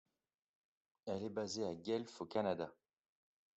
Elle est basée à Guelph au Canada.